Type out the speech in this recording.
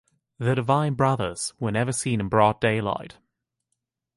The divine brothers where never seen in broad daylight.